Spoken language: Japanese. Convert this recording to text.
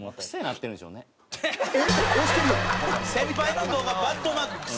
先輩の動画「バッド」マーク癖？